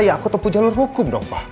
ya aku tetap punya jalur hukum dong pak